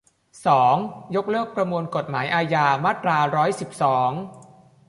สอง ยกเลิกประมวลกฎหมายอาญา มาตราร้อยสิบสอง